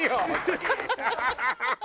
ハハハハ！